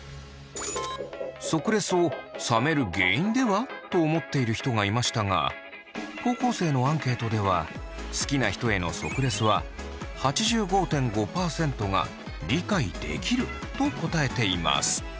即レスを冷める原因では？と思っている人がいましたが高校生のアンケートでは好きな人への即レスは８５．５％が理解できると答えています。